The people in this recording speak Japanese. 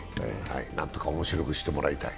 何とか面白くしてもらいたい。